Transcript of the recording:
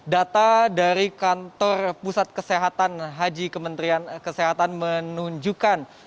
data dari kantor pusat kesehatan haji kementerian kesehatan menunjukkan